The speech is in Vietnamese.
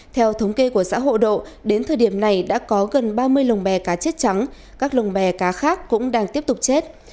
theo thống kê của xã hộ độ đến thời điểm này đã có gần ba mươi lồng bè cá chết trắng các lồng bè cá khác cũng đang tiếp tục chết